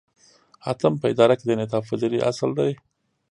اتم په اداره کې د انعطاف پذیری اصل دی.